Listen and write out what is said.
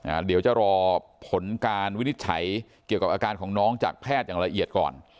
เดี๋ยวจะรอผลการวินิจฉัยเกี่ยวกับอาการของน้องจากแพทย์อย่างละเอียดก่อน